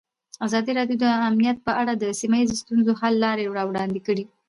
ازادي راډیو د امنیت په اړه د سیمه ییزو ستونزو حل لارې راوړاندې کړې.